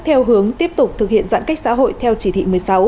theo hướng tiếp tục thực hiện giãn cách xã hội theo chỉ thị một mươi sáu